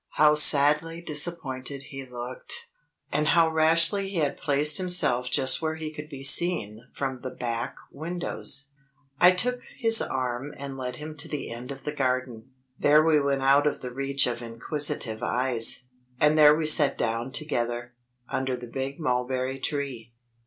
How sadly disappointed he looked! And how rashly he had placed himself just where he could be seen from the back windows! I took his arm and led him to the end of the garden. There we were out of the reach of inquisitive eyes; and there we sat down together, under the big mulberry tree.